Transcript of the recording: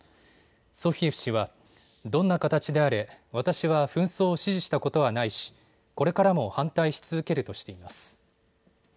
ソヒエフ氏はどんな形であれ、私は紛争を支持したことはないしこれからも反対し続けるとしています。